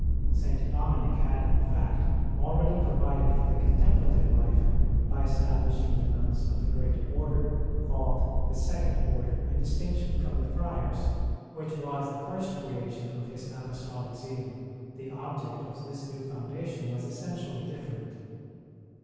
St. Dominic had, in fact, already provided for the contempla tive life by establishing the nuns of the Great Order (called the " Second Order " in distinction from the Friars which was the first creation of his apostolic zeal ; the object of this new founda tion was essentially different.